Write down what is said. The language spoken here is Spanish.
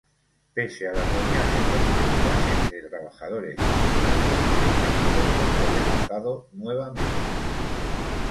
Pese a las reuniones sostenidas entre trabajadores y empresarios, el petitorio fue rechazado nuevamente.